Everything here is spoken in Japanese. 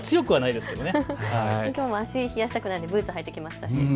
きょうも足冷やしたくないのでブーツ履いてきましたし。